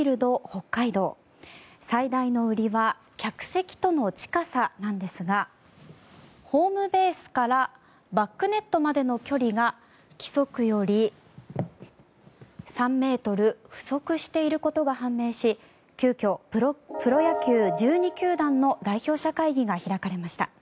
最大の売りは客席との近さなんですがホームベースからバックネットまでの距離が規則より３ｍ不足していることが判明し急きょ、プロ野球１２球団の代表者会議が開かれました。